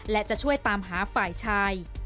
และจะช่วยตามหาฝ่ายชาย